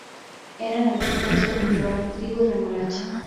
Eran agricultores que cultivaban trigo y remolacha.